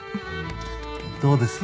どうです？